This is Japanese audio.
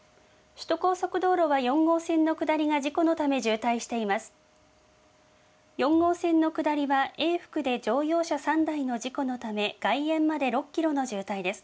首都高速道路は４号線の下りが事故のため渋滞しています。